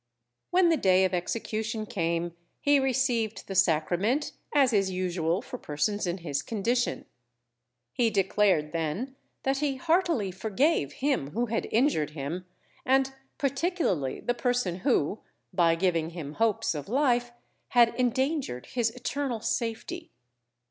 When the day of execution came, he received the Sacrament, as is usual for persons in his condition. He declared, then, that he heartily forgave him who had injured him, and particularly the person who, by giving him hopes of life, had endangered his eternal safety.